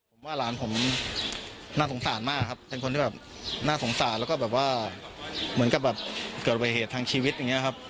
ผมว่าหลานผมน่าสงสารมากครับเป็นคนที่แบบน่าสงสารแล้วก็แบบว่าเหมือนกับแบบเกิดวัยเหตุทางชีวิตอย่างนี้ครับ